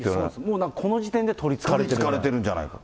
もうなんかこの時点でなんか取りつかれてるんじゃないか。